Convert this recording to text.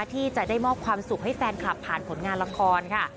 ที่จะได้มอบความสุขให้แฟนคลับผ่านผลงานละครค่ะ